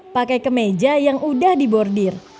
pakai kemeja yang udah dibordir